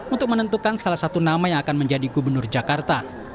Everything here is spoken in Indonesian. untuk menentukan salah satu nama yang akan menjadi gubernur jakarta